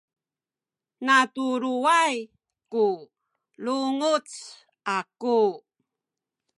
natuluway ku lunguc aku